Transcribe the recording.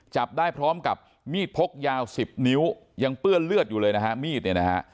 จับได้พร้อมกับมีดพกยาวสิบนิ้วยังเปื้อนเลือดอยู่เลยนะคะ